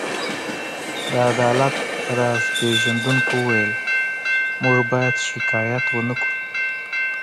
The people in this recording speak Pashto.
د عدالت راز پيژندونکو وویل: موږ باید شکایت ونه کړو.